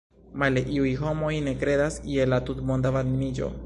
Male, iuj homoj ne kredas je la tutmonda varmiĝo.